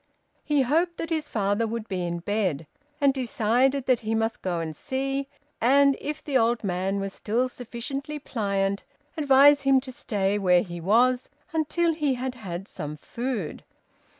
He hoped that his father would be in bed, and decided that he must go and see, and, if the old man was still sufficiently pliant, advise him to stay where he was until he had had some food.